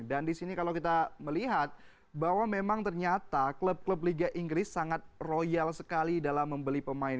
dan disini kalau kita melihat bahwa memang ternyata klub klub liga inggris sangat royal sekali dalam membeli pemain